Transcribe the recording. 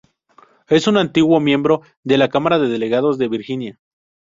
Es un antiguo miembro de la Cámara de Delegados de Virginia.